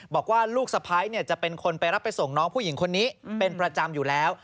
บอกว่าลูกสะพ้ายจะเป็นคนไปรับไปส่งน้องผู้หญิงคนนี้เป็นประจำอยู่แล้ว